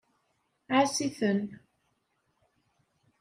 Ɛass-iten.